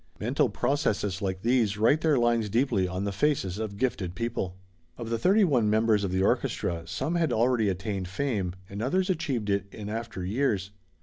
Mental processes like these write their lines deeply on the faces of gifted people. Of the thirty one members of the orchestra some had already attained fame, and others achieved it in after years.